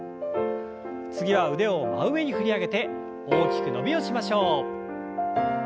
次は腕を真上に振り上げて大きく伸びをしましょう。